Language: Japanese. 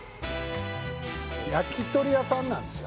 焼き鳥屋さんなんですよ